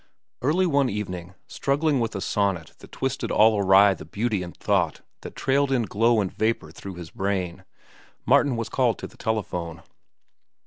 Early one evening, struggling with a sonnet that twisted all awry the beauty and thought that trailed in glow and vapor through his brain, Martin was called to the telephone.